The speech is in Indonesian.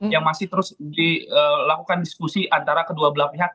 yang masih terus dilakukan diskusi antara kedua belah pihak